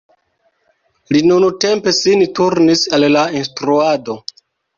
Li nuntempe sin turnis al la instruado.